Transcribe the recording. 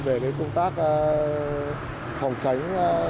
về công tác phòng tránh